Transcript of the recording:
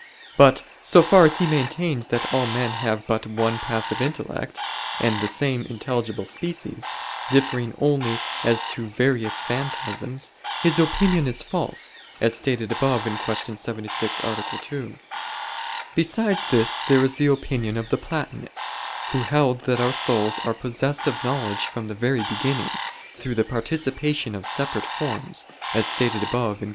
But so far as he maintains that all men have but one passive intellect, and the same intelligible species, differing only as to various phantasms, his opinion is false, as stated above (Q. 76, A. 2). Besides this, there is the opinion of the Platonists, who held that our souls are possessed of knowledge from the very beginning, through the participation of separate forms, as stated above (Q.